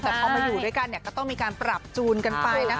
แต่พอมาอยู่ด้วยกันก็ต้องมีการปรับจูนกันไปนะคะ